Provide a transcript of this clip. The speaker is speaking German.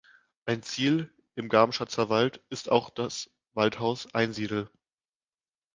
Ein Ziel im Gramschatzer Wald ist auch das Waldhaus "Einsiedel".